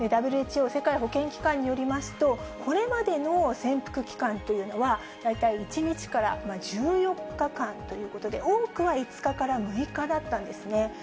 ＷＨＯ・世界保健機関によりますと、これまでの潜伏期間というのは、大体１日から１４日間ということで、多くは５日から６日だったんですね。